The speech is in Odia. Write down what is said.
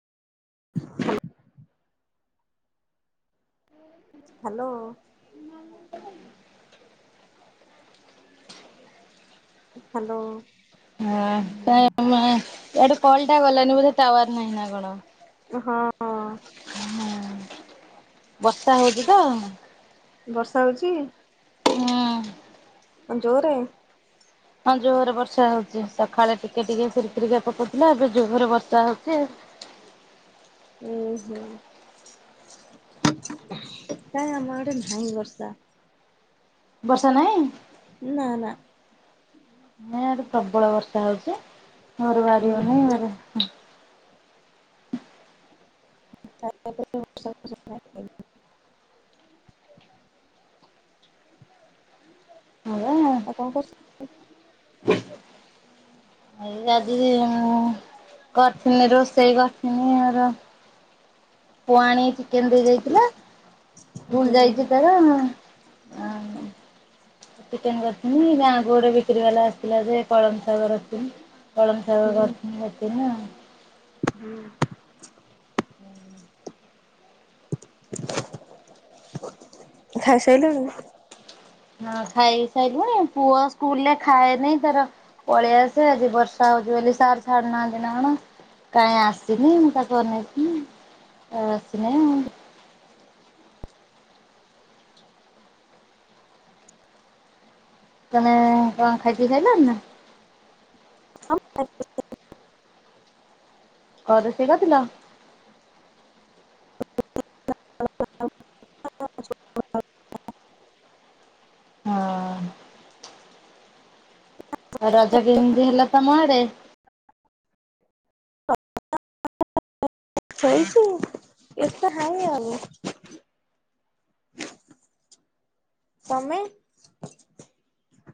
ହ୍ୟାଲୋ। ହ୍ୟାଲୋ। ହଁ [unintelligible] ଏଆଡେ କଲ ଟା ଗଲାନି ବୋଧେ ଟାୱାର ନାହିଁ ନା କଣ। ହଁ। ହୁଁ ବର୍ଷା ହଉଚ ତ। ବର୍ଷା ହଉଚି? ହଁ। ଜୋରେ? ହଁ ଜୋରେ ବର୍ଷା ହଉଚି ସକାଳେ ଟିକେ ଟିକେ ଫୁର ଫୁରିକା ତ ଫୁଟିଲା ଏବେ ଜୋହରେ ବର୍ଷା ହଉଛି ହୁଁ ହୁଁ। କାଇଁ ଆମ ଆଡେ ନାହିଁ ବର୍ଷା। ବର୍ଷା ନାଇଁ? ନା ନା। ମୋ ଆଡେ ପ୍ରବଳ ବର୍ଷା ହଉଛି ଘରୁ ବାହରି ଉଁ ହୋଉନି ଆରେ [inaudible] [unintelligible] ବୌନ। କଣ [unintelligible] ଏଇ ଆଜି ଉମ୍ କରିଥିନ ରୋଷେଇ କରିଥିନି ଆର ପୁଅ ଆଣି ଚିକେନ ଦେଇ ଯାଇଥିଲା। ସ୍କୁଲ ହୁଁ ଯାଇଛି ତାର ଚିକେନ୍ କରିଥିନି ଗାଁକୁ ଗୋଟେ ବିକ୍ରି ବାଲା ଆସିଥିଲା ଯେ କଳମ ଶାଗ ରଖିଥିଲି। କଳମ ହୁଁ ଶାଗ [unintelligible] ହୁଁ। [inaudible] ଖାଇସାଇଲନି। ହଁ ଖାଇସାରିଲୁଣି ପୁଅ ସ୍କୁଲରେ ଖାଏନହିଁ ତାର ପଳେଇ ଆସେ ଆଜି ବର୍ଷା ବର୍ଷା ହଉଚି ବୋଲି ସାର ଛାଡୁନାହାନ୍ତି ନା କଣ କାହିଁ ଆସିନି ମୁଁ ତାକୁ ନେଇକି ଆସିନାଇଁ ଆଉ। ତମେ କଣ ଖାଇପିଇ ସାଇଲନି ନା? [unintelligible] ଅ ରୋଷେଇ କଥିଲା? [unintelligible] ହଁ ଆ ରଜ କେମିତି ହେଲା ତମ ଆଡେ? [inaudible] [unintelligible] ତମେ?